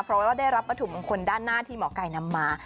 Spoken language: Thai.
เพราะว่าได้รับวัตถุมงคลด้านหน้าที่หมอไก่นำมา